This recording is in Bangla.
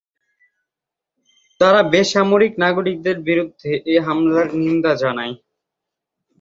তারা বেসামরিক নাগরিকদের বিরুদ্ধে এ হামলার নিন্দা জানায়।